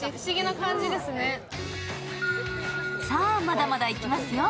さあ、まだまだいきますよ。